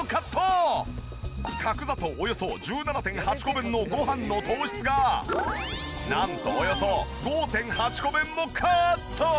角砂糖およそ１７．８個分のごはんの糖質がなんとおよそ５．８個分もカット！